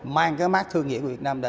mang cái mát thương nghiệp của việt nam